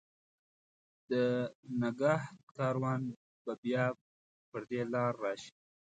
د نګهت کاروان به بیا پر دې لار، راشي